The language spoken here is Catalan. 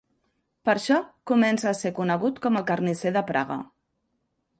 Per això comença a ser conegut com el carnisser de Praga.